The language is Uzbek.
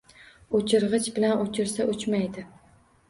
O’chirg‘ich bilan o‘chirsa o‘chmaydi.